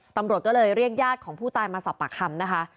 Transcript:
ตำรวจก็เลยเรียกญาติของผู้ตายมาสอบปากคำนะคะ